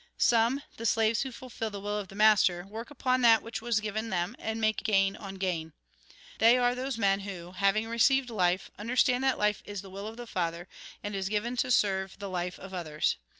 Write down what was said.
Some, the slaves who fulfil the will of the master, work upon that which was given them, and make gain on gain ; they are those men who, having received life, understand that life is the will of the Father, and is given to serve the life of others.